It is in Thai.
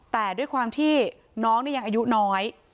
แต่ด้วยความที่น้องนี่ยังอายุน้อย